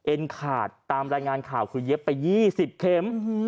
ขาดตามรายงานข่าวคือเย็บไป๒๐เข็ม